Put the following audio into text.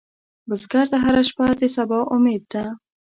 بزګر ته هره شپه د سبا امید ده